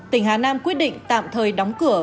tỉnh hà nam quyết định tạm thời đóng cửa